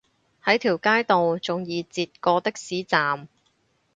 喺條街度仲易截過的士站